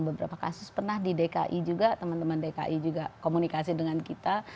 beberapa kasus pernah di dki juga teman teman dki juga komunikasi dengan kita